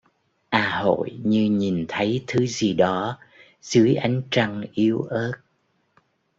A hội như nhìn thấy thứ gì đó dưới ánh trăng yếu ớt